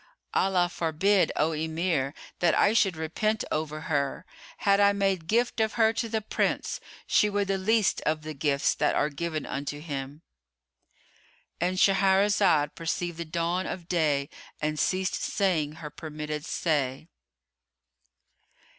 "Allah forbid, O Emir, that I should repent over her! Had I made gift of her to the Prince, she were the least of the gifts that are given unto him,"——And Shahrazad perceived the dawn of day and ceased saying her permitted say.